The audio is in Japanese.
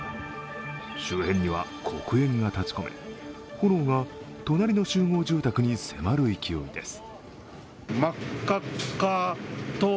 周辺には黒煙が立ちこめ、炎が隣の集合住宅に迫る勢いです。